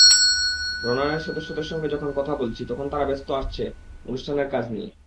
রণনের সদস্যদের সঙ্গে যখন কথা বলছি তখন তাঁরা ব্যস্ত আসছে অনুষ্ঠানের কাজ নিয়ে।